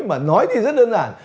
mà nói thì rất đơn giản